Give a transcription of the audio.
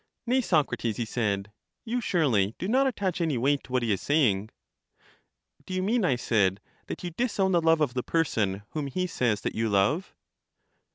Nay, Socrates, he said; you surely do not attach any weight to what he is saying. Do you mean, I said, that you disown the love of the person whom he says that you love?